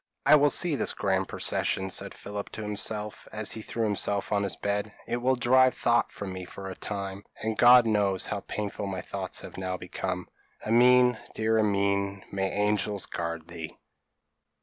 p> "I will see this grand procession," said Philip to himself, as he threw himself on his bed. "It will drive thought from me for a time; and God knows how painful my thoughts have now become. Amine, dear Amine, may angels guard thee!"